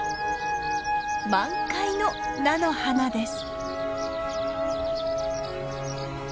満開の菜の花です。